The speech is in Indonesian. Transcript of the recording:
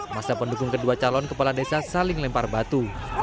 masa pendukung kedua calon kepala desa saling lempar batu